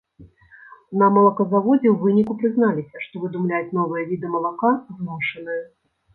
На малаказаводзе ў выніку прызналіся, што выдумляць новыя віды малака вымушаныя.